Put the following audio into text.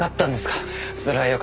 それはよかった。